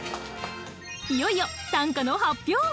いよいよ短歌の発表！